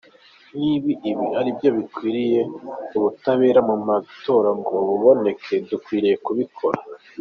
Niba ibi aribyo bikwiye ngo ubutabera mu matora buboneke, twiteguye kubikora.